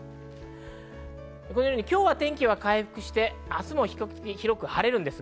今日は天気は回復して、明日も比較的広く晴れそうです。